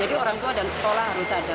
jadi orang tua dan sekolah harus ada